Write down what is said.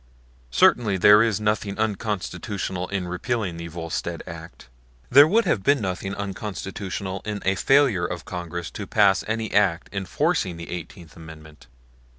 Certainly there is nothing unconstitutional in repealing the Volstead act. There would have been nothing unconstitutional in a failure of Congress to pass any act enforcing the Eighteenth Amendment.